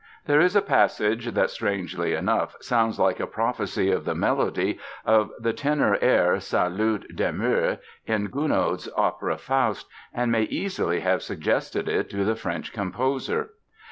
There is a passage that, strangely enough, sounds like a prophecy of the melody of the tenor air Salut demeure in Gounod's opera Faust and may easily have suggested it to the French composer.